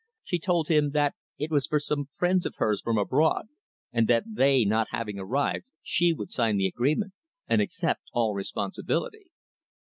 She told him that it was for some friends of hers from abroad, and that they not having arrived she would sign the agreement and accept all responsibility."